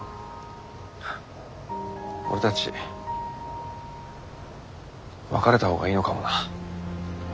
俺たち別れたほうがいいのかもな。